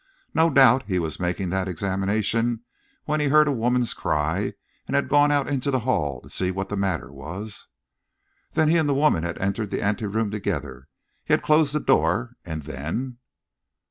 No doubt he was making that examination when he had heard a woman's cry and had gone out into the hall to see what the matter was. Then he and the woman had entered the ante room together; he had closed the door; and then....